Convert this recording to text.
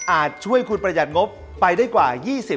ช่วยคุณประหยัดงบไปได้กว่า๒๐